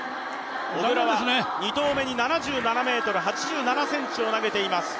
小椋は２投目に７７ｍ８７ｃｍを投げています。